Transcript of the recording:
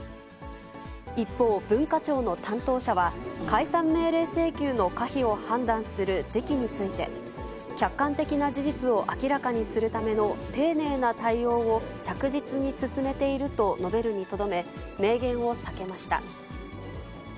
一方、文化庁の担当者は解散命令請求の可否を判断する時期について、客観的な事実を明らかにするための、丁寧な対応を着実に進めていると述べるにとどめ、明言を避けました。